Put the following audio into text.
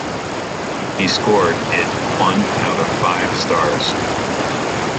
He scored it one out of five stars.